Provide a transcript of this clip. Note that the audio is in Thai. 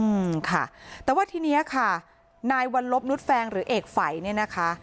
อืมค่ะแต่ว่าทีเนี้ยค่ะนายวัลลบนุษแฟงหรือเอกฝัยเนี่ยนะคะ